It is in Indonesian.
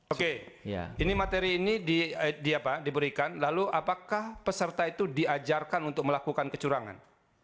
oke ini materi ini diberikan lalu apakah peserta itu diajarkan untuk melakukan kecurangan